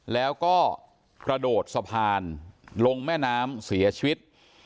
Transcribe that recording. แล้วก็กระโดดสะพานลงแม่น้ำเสียชีวิต